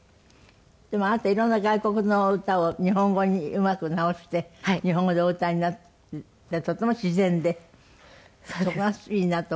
でもあなた色んな外国の歌を日本語にうまく直して日本語でお歌いになってとても自然でそこがいいなと思うの。